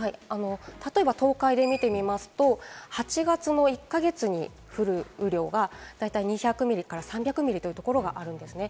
例えば東海で見てみると、８月の１か月に降る量が大体２００ミリから３００ミリというところがあるんです。